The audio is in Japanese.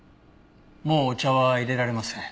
もうお茶は淹れられません。